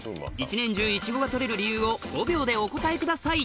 １年中いちごが採れる理由を５秒でお答えください